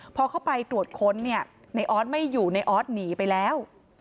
พอเข้าไปตรวจค้นเนี่ยในออสไม่อยู่ในออสหนีไปแล้ว